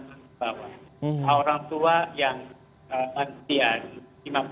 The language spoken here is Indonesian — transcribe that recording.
anak anak yang berpengalaman enam tahun ke bawah